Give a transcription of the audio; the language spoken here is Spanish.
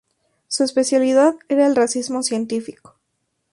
Su especialidad era el racismo científico.